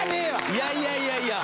いやいやいやいや！